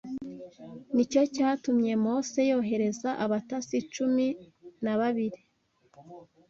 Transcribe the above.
Ni cyo cyatumye Mose yohereza abatasi cumin a babiri